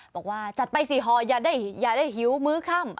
บอกว่าจัดไป๔ห่ออย่าได้หิวมื้อค่ำ